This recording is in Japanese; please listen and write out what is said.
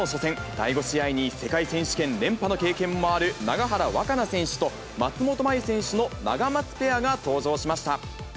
第５試合に世界選手権連覇の経験もある、永原和可那選手と松本麻佑選手のナガマツペアが登場しました。